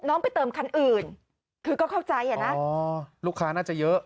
ไปเติมคันอื่นคือก็เข้าใจอ่ะนะลูกค้าน่าจะเยอะ